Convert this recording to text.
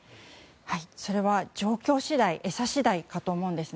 それは状況次第餌次第かと思います。